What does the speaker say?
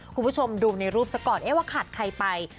คุณผู้ชมดูในรูปซะก่อนว่าขาดใครไป